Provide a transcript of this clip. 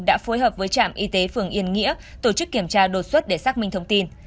đã phối hợp với trạm y tế phường yên nghĩa tổ chức kiểm tra đột xuất để xác minh thông tin